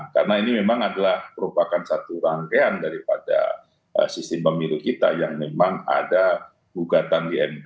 karena ini memang adalah merupakan satu rangkaian daripada sistem pemilu kita yang memang ada bugatan di mk